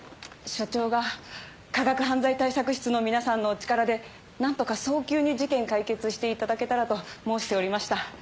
署長が科学犯罪対策室の皆さんのお力で何とか早急に事件解決していただけたらと申しておりました。